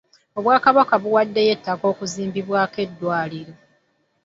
Obwakabaka buwaddeyo ettaka okuzimbibwako eddwaliro.